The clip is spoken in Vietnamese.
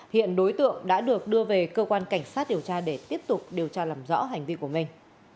hiện đối tượng đã được đưa về cơ quan cảnh sát điều tra để tiếp tục điều tra làm rõ hành vi của mình